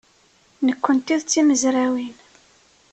Nekkenti d timezrawin.